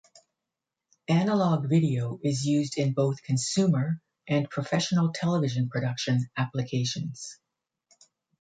Analog video is used in both consumer and professional television production applications.